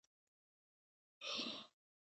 په غاښچيچي يې اشاره وکړه چې زه به درسره ګورم.